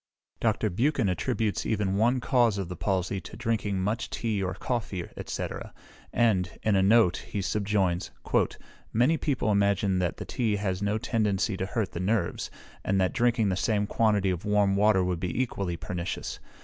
Dr. Buchan attributes even one cause of the palsy to drinking much tea or coffee, &c. and, in a note, he subjoins: "Many people imagine that tea has no tendency to hurt the nerves, and that drinking the same quantity of warm water would be equally pernicious.